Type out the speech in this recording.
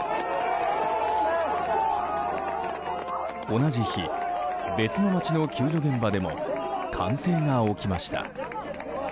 同じ日、別の街の救助現場でも歓声が起きました。